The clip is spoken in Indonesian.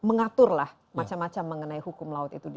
mengaturlah macam macam mengenai hukum laut itu